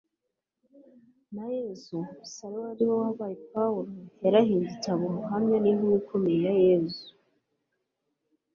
na yezu, sawuli ariwe wabaye paulo, yarahindutse aba umuhamya n'intumwa ikomeye ya yezu